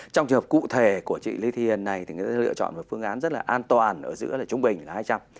trong trường hợp cụ thể của chị lê thiền này thì người ta lựa chọn một phương án rất là an toàn ở giữa là trung bình là hai trăm linh